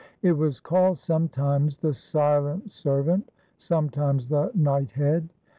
It was called sometimes "the silent servant," sometimes "the knighthead."